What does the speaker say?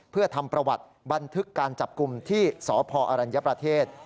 เพื่อทำประวัติบันทึกการจับกลุ่มที่สพอรัญญประเทศ